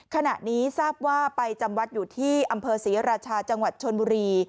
ขณะนี้ทราบว่าไปจำวัดอยู่ที่อำเภอศรีราชาจังหวัดชนบุรี